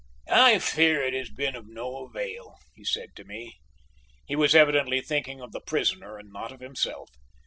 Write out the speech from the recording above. "I fear it has been of no avail," he said to me. He was evidently thinking of the prisoner and not of himself.